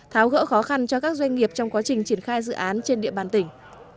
tháo gỡ khó khăn cho các doanh nghiệp trong quá trình triển khai dự án trên địa bàn tỉnh